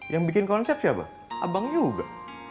yang bikin konsep siapa abang juga